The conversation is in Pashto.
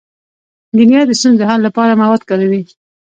انجینر د ستونزو د حل لپاره مواد کاروي.